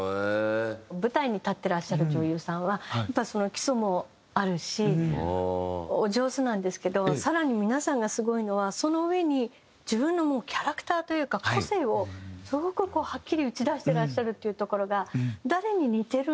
舞台に立っていらっしゃる女優さんは基礎もあるしお上手なんですけど更に皆さんがすごいのはその上に自分のキャラクターというか個性をすごくはっきり打ち出してらっしゃるっていうところが誰に似てるんじゃないんですね。